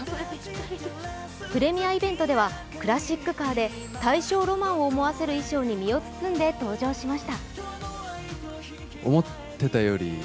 プレミアイベントではクラシックカーで大正浪漫を思わせる衣装で出演しました。